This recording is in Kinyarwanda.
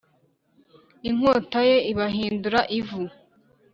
Inkota ye ibahindura ivu,